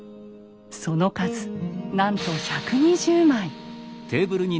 その数なんと１２０枚。